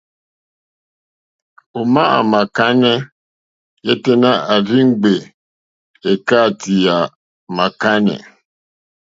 Òmá ò mà kánɛ́ yêténá à rzí ŋgbè èkáàtì à màkánɛ́.